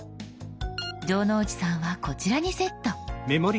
城之内さんはこちらにセット。